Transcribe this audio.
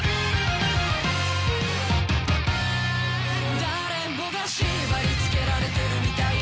誰もが縛り付けられてるみたいだ